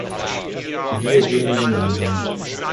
Wir gehen gemeinsam.